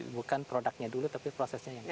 bukan produknya dulu tapi prosesnya yang lain